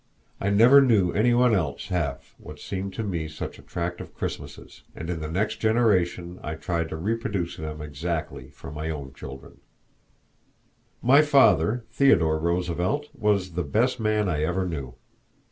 I never knew any one else have what seemed to me such attractive Christmases, and in the next generation I tried to reproduce them exactly for my own children. My father, Theodore Roosevelt, was the best man I ever knew.